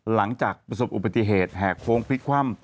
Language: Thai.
หลังจากประสบอุบัติเหตุแห่โค้งพลิกคว่ำ